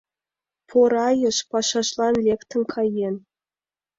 Порайыш пашажлан лектын каен.